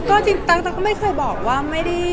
ก็จริงตั๊กก็ไม่เคยบอกว่าไม่ได้